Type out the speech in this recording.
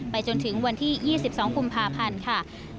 จนถึงวันที่๒๒กุมภาพันธ์ค่ะ